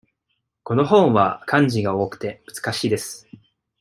この本は漢字が多くて難しいです。